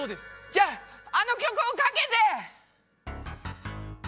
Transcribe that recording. じゃああの曲をかけて！